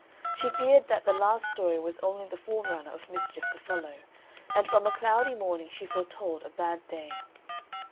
She feared that the last story was only the fore runner of mischief to follow; and from a cloudy morning she foretold a bad day.